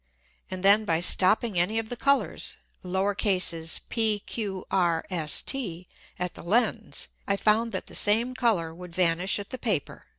And then by stopping any of the Colours p, q, r, s, t, at the Lens, I found that the same Colour would vanish at the Paper.